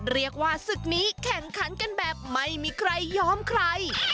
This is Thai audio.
เรียกว่าศึกนี้แข่งขันกันแบบไม่มีใครยอมใคร